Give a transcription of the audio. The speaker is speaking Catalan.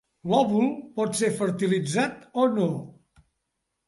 L'òvul pot ser fertilitzat o no.